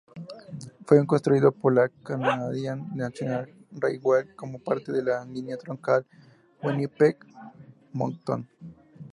Fue construido por la Canadian National Railway como parte de la línea troncal Winnipeg-Moncton.